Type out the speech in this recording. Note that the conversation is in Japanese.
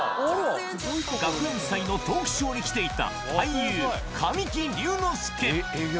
学園祭のトークショーに来ていた俳優、神木隆之介。